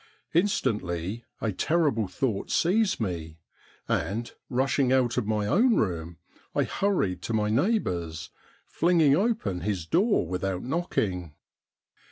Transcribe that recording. Instantly a terrible thought seized me, and rushing out of my own room, I hurried to my neighbour's, flinging open his door without knocking.